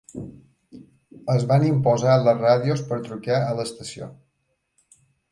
Es van imposar les ràdios per trucar a l'estació.